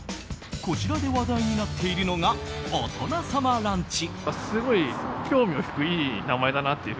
こちらで話題になっているのが大人様ランチ。